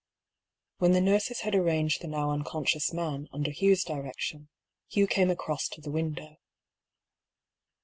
When the nurses had arranged the now unconscious man, under Hugh's direction, Hugh came across to the window.